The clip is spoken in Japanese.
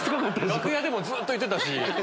楽屋でもずっと言ってた。